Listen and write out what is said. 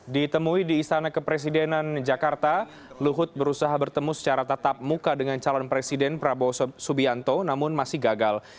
ditemui di istana kepresidenan jakarta luhut berusaha bertemu secara tatap muka dengan calon presiden prabowo subianto namun masih gagal